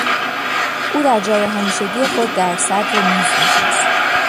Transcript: او در جای همیشگی خود در صدر میز نشست.